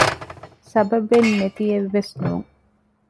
ސަބަބެން ނެތިއެއްވެސް ނޫން